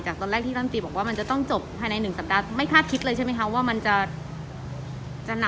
จากตอนแรกที่ต้องจบภายในหนึ่งสัปดาห์ไม่คาดคิดเลยใช่ไหมคะว่ามันจะหนัก